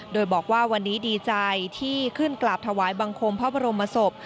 โดยบอกว่าวันนี้ดีใจที่ขึ้นกราบถวายบังคมพระบรมศพ